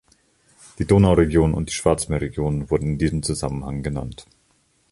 Die Donauregion und die Schwarzmeerregion wurden in diesem Zusammenhang genannt.